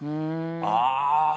ああ。